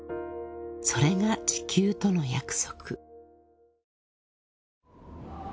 ［それが地球との約束］